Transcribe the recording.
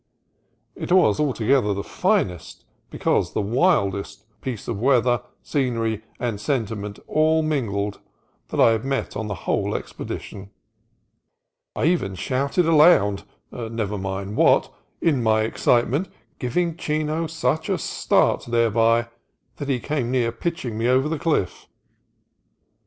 It was altogether the finest, because the wildest, piece of weather, scenery, and sentiment all mingled that I had met on the whole expedition. I even shouted aloud — never mind what — in my excite ment, giving Chino such a start thereby that he came near pitching me over the cliff.